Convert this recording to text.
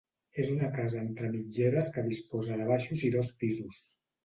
És una casa entre mitgeres que disposa de baixos i dos pisos.